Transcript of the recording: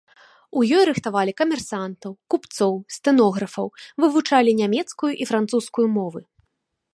У ёй рыхтавалі камерсантаў, купцоў, стэнографаў, вывучалі нямецкую і французскую мовы.